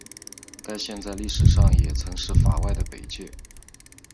该线在历史上也曾是法外的北界。